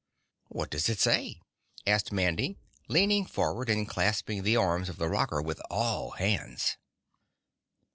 "What does it say?" asked Mandy, leaning forward and clasping the arms of the rocker with all hands.